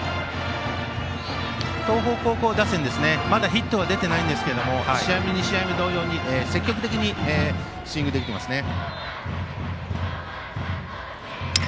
東邦高校打線まだヒットは出ていないんですが１試合目、２試合目同様に積極的にスイングできていますね。